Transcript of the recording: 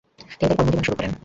তিনি তার কর্মজীবন শুরু করেন।